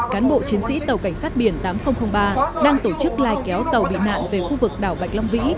cán bộ chiến sĩ tàu cảnh sát biển tám nghìn ba đang tổ chức lai kéo tàu bị nạn về khu vực đảo bạch long vĩ